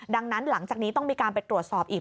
ดังนั้นหลังจากนี้ต้องมีการไปตรวจสอบอีก